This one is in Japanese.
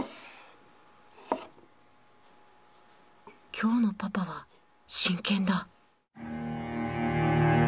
今日のパパは真剣だ。